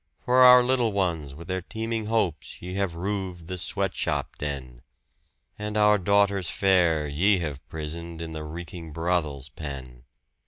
For our little ones with their teeming hopes ye have roofed the sweatshop den, And our daughters fair ye have prisoned in the reeking brothel's pen!